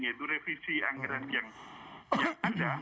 yaitu revisi anggaran yang ada